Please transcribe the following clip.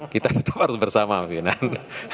kita harus bersama minan